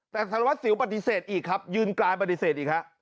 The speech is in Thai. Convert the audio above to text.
แต่สารวัสสิวปฏิเสธอีกครับยืนกลายปฏิเสธอีกฮะ